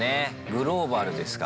グローバルですからね。